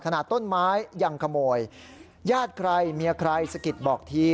ขนาดต้นไม้ยังขโมยญาติใครเมียใครสะกิดบอกที